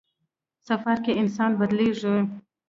سفر کې انسان بدلېږي.